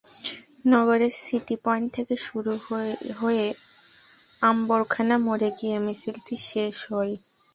নগরের city point থেকে শুরু হয়ে আম্বরখানা মোড়ে গিয়ে মিছিলটি শেষ হয়।